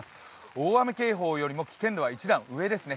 大雨警報よりも危険度が一段上ですね。